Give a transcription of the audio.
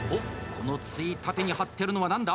このついたてに貼ってるのは何だ？